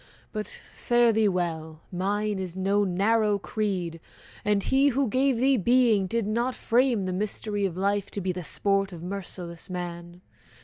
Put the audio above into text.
But fare thee well! Mine is no narrow creed; And He who gave thee being did not frame The mystery of life to be the sport Of merciless man!